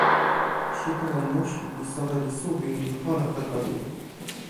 sitelen musi pi soweli suwi li pona tawa mi.